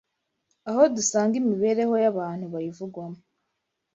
aho dusanga imibereho y’abantu bayivugwamo